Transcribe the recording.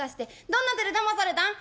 どんな手でだまされたん？